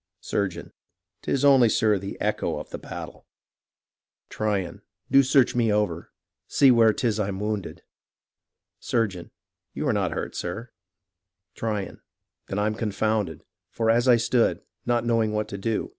Surgeon 'Tis only, sir, the echo of the battle. Tryon Do search me over — see where 'tis I'm wounded. Surgeon You are not hurt, sir. Tryon Then I'm confounded ; For as I stood, not knowing what to do.